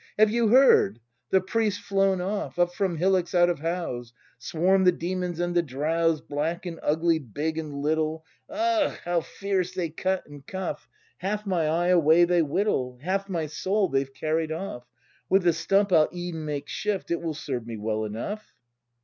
] Have you heard ? The priest's flown off. — Up from hillocks, out of howes. Swarm the demons and the Drows, Black and ugly, big and little — Ugh, how fierce they cut and cuff —! Half my eye away they whittle; Half my soul they've carried off; With the stump I'll e'en make shift. It will serve me well enough!